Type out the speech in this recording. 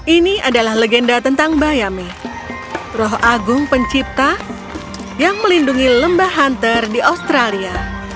ini adalah legenda tentang bayame roh agung pencipta yang melindungi lembah hunter di australia